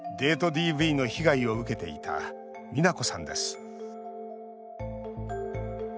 ＤＶの被害を受けていた美奈子さんです。